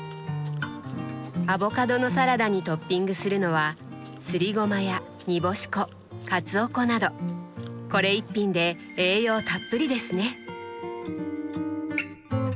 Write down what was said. アボカドのサラダにトッピングするのはすりごまやにぼし粉かつお粉などこれ一品で栄養たっぷりですね！